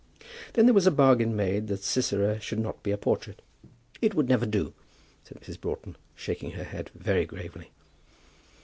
Then there was a bargain made that Sisera should not be a portrait. "It would never do," said Mrs. Broughton, shaking her head very gravely.